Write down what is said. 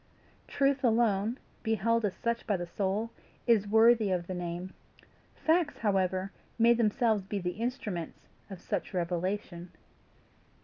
Truth alone, beheld as such by the soul, is worthy of the name. Facts, however, may themselves be the instruments of such revelation.